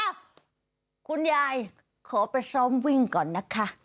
คุณยายขอไปซ้อมวิ่งก่อนนะคะ